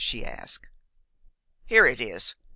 she asked. "Here it is.